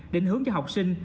định hướng cho học sinh